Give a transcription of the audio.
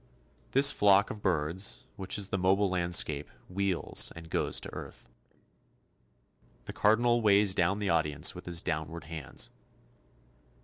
This flock of birds which is the mobile landscape wheels and goes to earth. The Cardinal weighs down the audience with his downward hands.